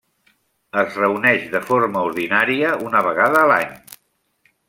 Es reuneix de forma ordinària una vegada a l'any.